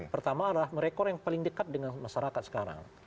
pertama adalah merekor yang paling dekat dengan masyarakat sekarang